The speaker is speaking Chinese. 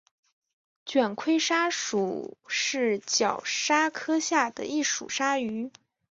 卷盔鲨属是角鲨科下的一属鲨鱼。